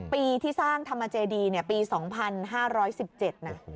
ปีที่สร้างธรรมเจดีปี๒๕๑๗นะ